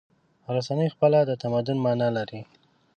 رسنۍ خپله د تمدن معنی لري.